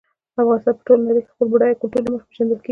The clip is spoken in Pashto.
افغانستان په ټوله نړۍ کې د خپل بډایه کلتور له مخې پېژندل کېږي.